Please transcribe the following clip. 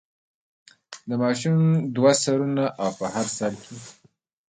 د ماشوم دوه سرونه او په هر سر کې.